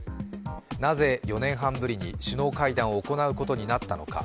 なぜ４年半ぶりに首脳会談が行われることになったのか。